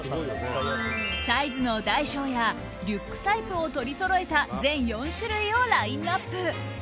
サイズの大小やリュックタイプを取りそろえた全４種類をラインアップ。